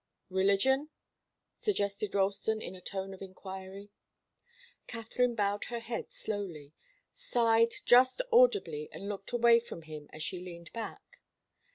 "Religion?" suggested Ralston, in a tone of enquiry. Katharine bowed her head slowly, sighed just audibly and looked away from him as she leaned back.